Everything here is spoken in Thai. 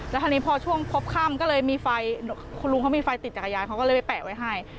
แล้วคราวนี้พอช่วงพบค่ำก็เลยมีไฟคุณลุงเขามีไฟติดจักรยานเขาก็เลยไปแปะไว้ให้